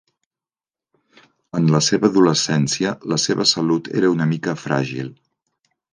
En la seva adolescència, la seva salut era una mica fràgil.